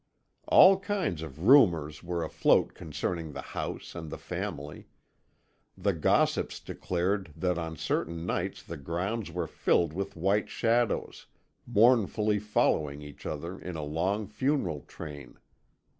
"All kinds of rumours were afloat concerning the house and the family. The gossips declared that on certain nights the grounds were filled with white shadows, mournfully following each other in a long funeral train.